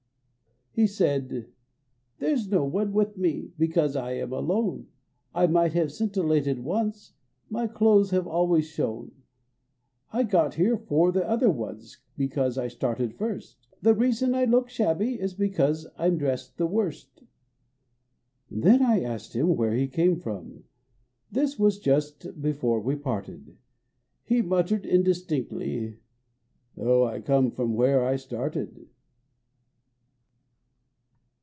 lie said : "There s no one with me, Because I am alone ; I might have scintillated once ; My clothes have always shone. I got here fore the other ones Because I started first ; The reason I look shabby is Because I m dressed the worst " Then I asked him where he came from This was just before we parted, And he muttered .indistinctly, " Oh, I come from where I started